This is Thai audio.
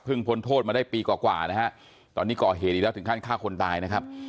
พ้นโทษมาได้ปีกว่านะฮะตอนนี้ก่อเหตุอีกแล้วถึงขั้นฆ่าคนตายนะครับ